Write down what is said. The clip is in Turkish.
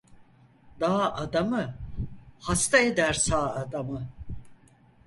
Dağ adamı! Hasta eder sağ adamı.